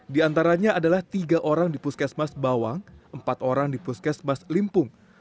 di antaranya adalah tiga orang di puskesmas bawang empat orang di puskesmas limpung